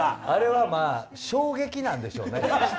あれは衝撃なんでしょうね。